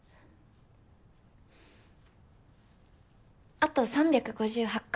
あと３５８回。